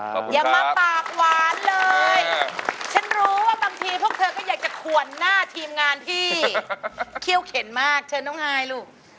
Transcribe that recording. อย่ามาปากหวานเลยฉันรู้ว่าบางทีพวกเธอก็อยากจะขวนหน้าทีมงานที่เขี้ยวเข็นมากเชิญน้องฮายลูก